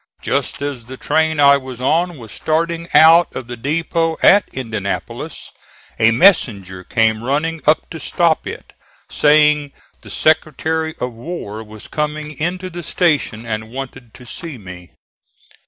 Just as the train I was on was starting out of the depot at Indianapolis a messenger came running up to stop it, saying the Secretary of War was coming into the station and wanted to see me.